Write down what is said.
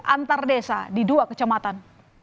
antar desa di dua kecamatan